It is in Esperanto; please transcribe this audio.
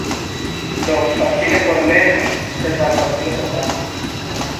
Do, facile por lerni, sed malfacile por mastri.